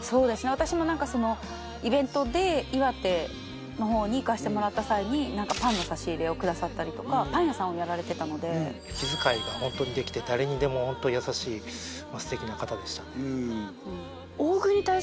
私も何かそののほうに行かせてもらった際にパンの差し入れをくださったりとかパン屋さんをやられてたので気遣いがホントにできて誰にでもホント優しい素敵な方でしたね